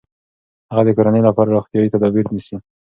هغه د کورنۍ لپاره روغتیايي تدابیر نیسي.